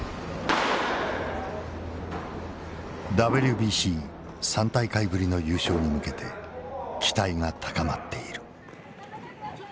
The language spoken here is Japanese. ＷＢＣ３大会ぶりの優勝に向けて期待が高まっている。